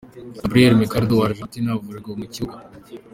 Gabriel Mercado wa Argentina avurirwa mu kibuga .